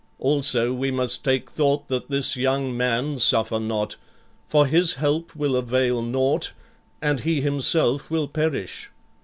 Also we must take thought that this young man suffer not, for his help will avail naught and he himself will perish.